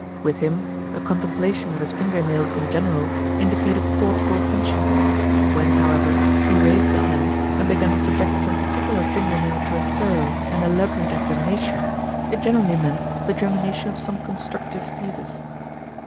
With him a contemplation of his finger nails in general indicated thoughtful attention; when, however, he raised the hand and began to subject some particular finger nail to a thorough and elaborate examination, it generally meant the germination of some constructive thesis.